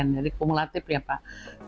jadi kumulatif ya pak